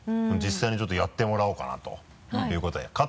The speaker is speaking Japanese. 実際にちょっとやってもらおうかなということで。